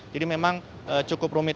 jadi memang cukup rumit